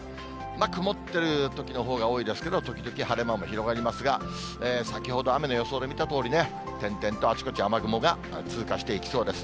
曇ってるときのほうが多いですけど、時々晴れ間も広がりますが、先ほど雨の予想で見たとおりね、点々とあちこち、雨雲が通過していきそうです。